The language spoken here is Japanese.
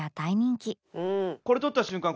これ取った瞬間